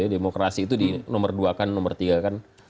demokrasi itu di nomor dua kan nomor tiga kan